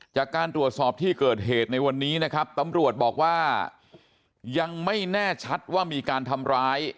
จากการตรวจสอบที่เกิดเหตุในวันนี้นะครับตำรวจบอกว่ายังไม่แน่ชัดว่ามีการทำร้าย